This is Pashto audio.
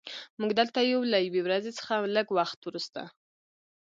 موږ دلته یو له یوې ورځې څخه لږ وخت وروسته